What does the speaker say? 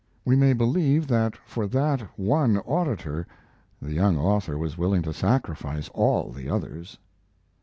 We may believe that for that one auditor the young author was willing to sacrifice all the others.